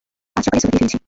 আজ সকালেই সোডা দিয়ে ধুয়েছি।